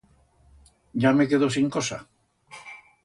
Ya me quedo sin cosa.